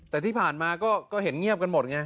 แต่ที่ผ่านมาก็เห็นเงียบกันหมดไง